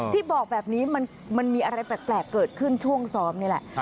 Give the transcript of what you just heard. ที่บอกแบบนี้มันมีอะไรแปลกเกิดขึ้นช่วงซ้อมนี่แหละ